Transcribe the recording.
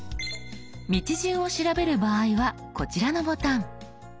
道順を調べる場合はこちらのボタン。